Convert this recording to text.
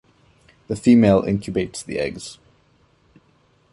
The female incubates the eggs.